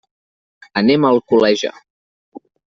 Anem a Alcoleja.